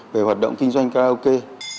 về hoạt động kinh doanh karaoke